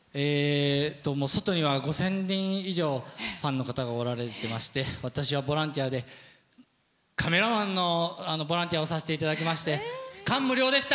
外には５０００人以上ファンの方がおられまして私はボランティアでカメラマンのボランティアをさせていただきまして感無量でした。